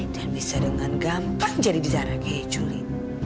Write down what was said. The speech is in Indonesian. dan bisa dengan gampang jadi bizarang kayak juli